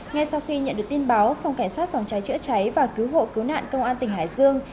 ngay sau khi nhận được tin báo phòng cảnh sát phòng cháy chữa cháy và cứu hộ cứu nạn công an tỉnh hải dương